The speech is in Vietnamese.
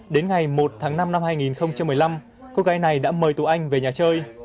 đến ngày một tháng năm năm hai nghìn một mươi năm cô gái này đã mời tú anh về nhà chơi